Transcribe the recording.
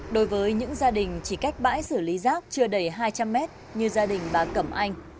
đối với những gia đình chỉ cách bãi xử lý rác chưa đầy hai trăm linh mét như gia đình bà cẩm anh